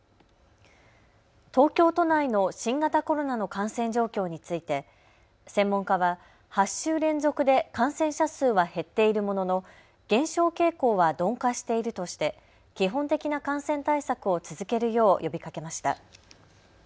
東京都内の新型コロナの感染状況について専門家は８週連続で感染者数は減っているものの減少傾向は鈍化しているとして基本的な感染対策を続けるよう呼びかけました。